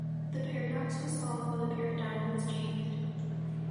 The paradox was solved when the paradigm was changed.